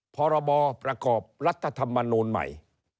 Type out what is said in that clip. พรบประกอบรัฐธรรมนูลใหม่